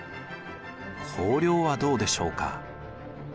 公領はどうでしょうか？